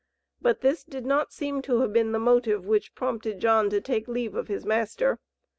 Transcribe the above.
But this did not seem to have been the motive which prompted John to take leave of his master.